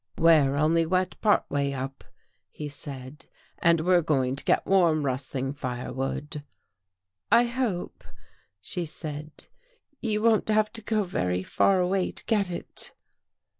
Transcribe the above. " We're only wet part way up," he said, " and we're going to get warm rustling firewood." " I hope," she said, " you won't have to go very far away to get it."